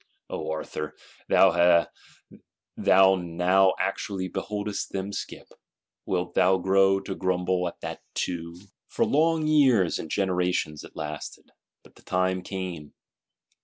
O Arthur, thou now actually beholdest them skip;—wilt thou grow to grumble at that too? For long years and generations it lasted, but the time came.